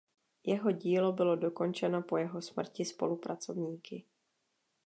Jeho dílo bylo dokončeno po jeho smrti spolupracovníky.